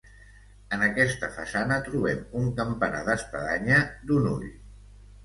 En aquesta façana trobem un campanar d'espadanya, d'un ull.